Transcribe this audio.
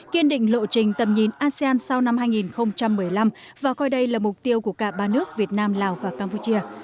kiên định lộ trình tầm nhìn asean sau năm hai nghìn một mươi năm và coi đây là mục tiêu của cả ba nước việt nam lào và campuchia